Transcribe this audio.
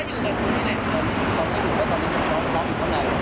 ข้ามแล้วใช่เหรอ